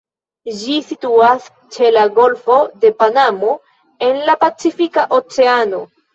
Ĝi situas ĉe la Golfo de Panamo en la Pacifika Oceano.